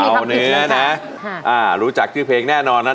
เอาเนื้อนะรู้จักชื่อเพลงแน่นอนนะ